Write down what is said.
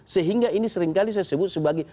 sehingga ini seringkali saya sebut sebagai